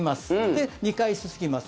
で、２回すすぎます。